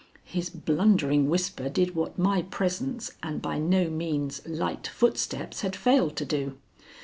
His blundering whisper did what my presence and by no means light footsteps had failed to do.